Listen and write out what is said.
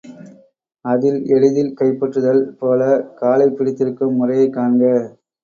அதில் எளிதில் கைப்பற்றுதல் போல காலைப் பிடித்திருக்கும் முறையைக் காண்க.